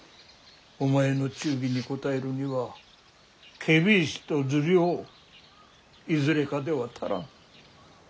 お前の忠義に応えるには検非違使と受領いずれかでは足らん。